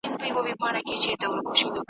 ځان د بل لپاره سوځول زده کړو `